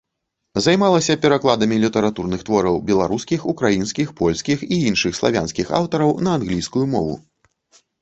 Займалася перакладамі літаратурных твораў беларускіх, украінскіх, польскіх і іншых славянскіх аўтараў на англійскую мову.